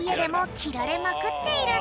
きられまくってるねえ。